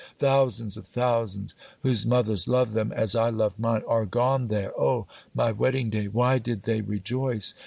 Thousands of thousands, whose mothers loved them as I loved mine, are gone there! Oh, my wedding day! Why did they rejoice?